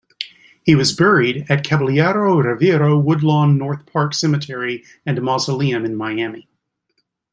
He was buried at Caballero Rivero Woodlawn North Park Cemetery and Mausoleum in Miami.